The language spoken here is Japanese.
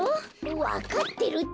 わかってるって！